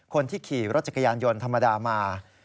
คนที่ขี่รถจักรยานยนต์ธรรมดามา